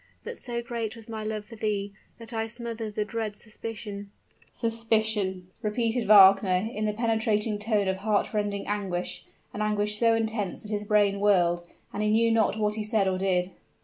But so great was my love for thee, that I smothered the dread suspicion " "Suspicion," repeated Wagner, in the penetrating tone of heart rending anguish, an anguish so intense that his brain whirled, and he knew not what he said or did.